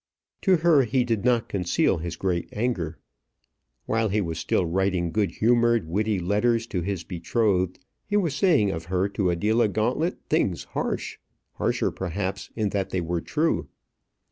To her he did not conceal his great anger. While he was still writing good humoured, witty letters to his betrothed, he was saying of her to Adela Gauntlet things harsh harsher perhaps in that they were true.